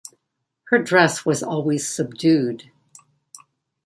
Her dress was always subdued.